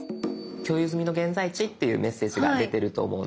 「共有済みの現在地」っていうメッセージが出てると思うんです。